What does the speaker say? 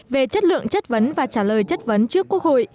về chất lượng chất vấn và trả lời chất vấn trước quốc hội